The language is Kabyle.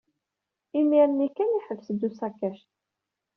Imir-nni kan, yeḥbes-d usakac.